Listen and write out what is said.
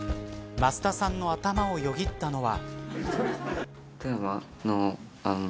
増田さんの頭をよぎったのは。